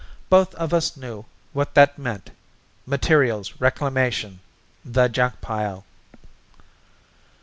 Both of us knew what that meant. Materials Reclamation the junk pile."